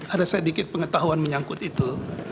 ada saya dikit pengetahuan menyangkut itu